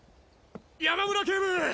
山村警部！